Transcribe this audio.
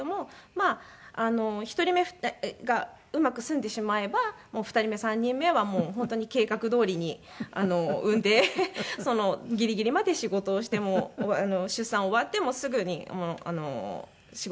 まあ１人目がうまく済んでしまえば２人目３人目はもう本当に計画どおりに産んでギリギリまで仕事をしても出産終わってもすぐに仕事に復帰するという形を。